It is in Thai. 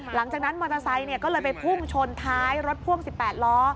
หลังจากนั้นมอเตอร์ไซค์ก็เลยไปพุ่งชนท้ายรถพ่วง๑๘ล้อ